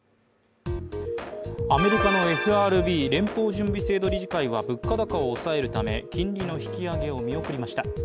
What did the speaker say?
アメリカのＦＲＢ＝連邦準備制度理事会は物価高を抑えるため金利の引き上げを見送りました。